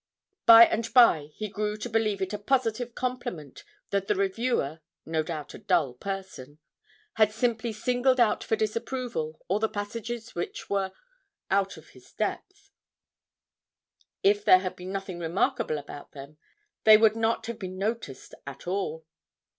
By and by he grew to believe it a positive compliment that the reviewer (no doubt a dull person) had simply singled out for disapproval all the passages which were out of his depth if there had been nothing remarkable about them, they would not have been noticed at all.